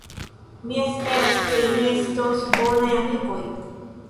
Mi esperas, ke ni estos bonaj amikinoj.